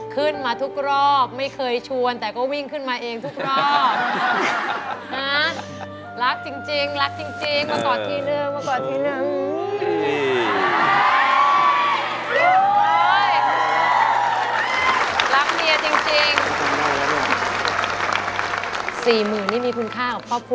ขึ้นมาทุกรอบไม่เคยชวนแต่ก็วิ่งขึ้นมาเองทุกรอบนะ